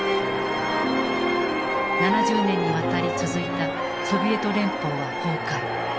７０年にわたり続いたソビエト連邦崩壊。